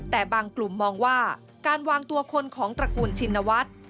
แต่บางกลุ่มมองว่าการวางตัวคนของตระกูลชินวัฒน์